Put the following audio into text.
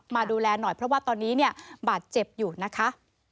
มาดูแลหน่อยเพราะว่าตอนนี้เนี่ยบาดเจ็บอยู่นะคะ